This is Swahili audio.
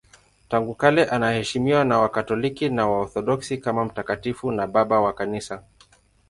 Tangu kale anaheshimiwa na Wakatoliki na Waorthodoksi kama mtakatifu na Baba wa Kanisa.